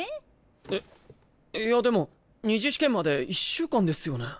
えっいやでも２次試験まで１週間ですよね？